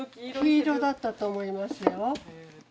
黄色だったと思いますよ。